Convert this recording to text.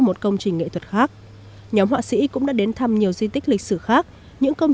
một công trình nghệ thuật khác nhóm họa sĩ cũng đã đến thăm nhiều di tích lịch sử khác những công